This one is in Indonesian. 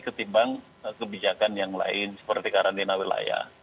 ketimbang kebijakan yang lain seperti karantina wilayah